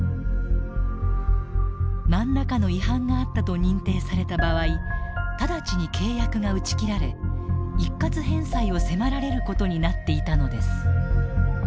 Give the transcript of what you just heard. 何らかの違反があったと認定された場合直ちに契約が打ち切られ一括返済を迫られることになっていたのです。